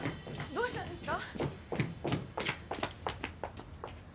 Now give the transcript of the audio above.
どうしたんですか？